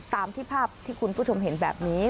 ตามที่ภาพที่คุณผู้ชมเห็นแบบนี้